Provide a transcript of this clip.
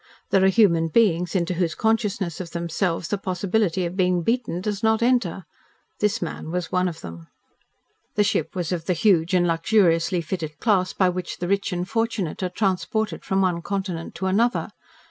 There are human beings into whose consciousness of themselves the possibility of being beaten does not enter. This man was one of them. The ship was of the huge and luxuriously fitted class by which the rich and fortunate are transported from one continent to another.